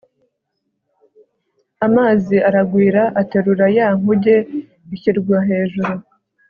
amazi aragwira aterura ya nkuge ishyirwa hejuru